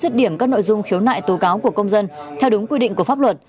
rứt điểm các nội dung khiếu nại tố cáo của công dân theo đúng quy định của pháp luật